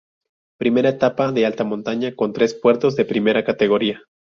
Primera etapa de alta montaña, con tres puertos de primera categoría.